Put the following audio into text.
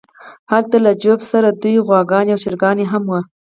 هلته له جوزف سره دوې غواګانې او چرګان هم وو